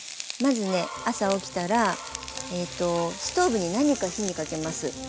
まずね朝起きたらストーブに何か火にかけます。